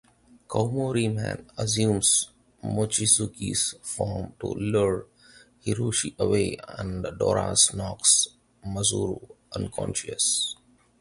Koumori Man assumes Mochizuki's form to lure Hiroshi away, and Doras knocks Masaru unconscious.